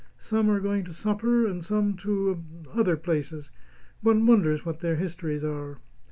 Some are going to supper and some to er other places. One wonders what their histories are."